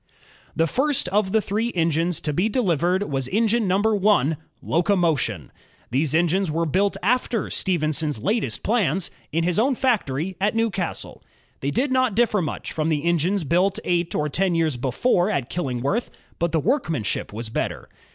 The first of the three engines to be delivered was engine number one, Locomotion. These engines were built after Stephenson's latest plans, in his own factory at Newcastle. They did not differ much from the engines built eight or ten years before at Killingworth, but the workmanship was better.